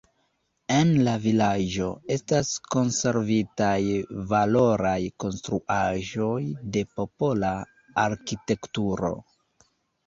En la vilaĝo estas konservitaj valoraj konstruaĵoj de popola arkitekturo.